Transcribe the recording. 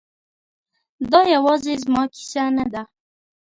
دا یوازې زما کیسه نه ده